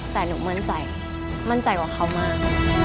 แต่หนูมั่นใจมั่นใจกว่าเขามาก